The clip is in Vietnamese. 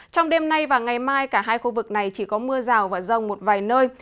trong đêm nay và ngày mai cả hai khu vực này chỉ có mưa rào và rông một vài nơi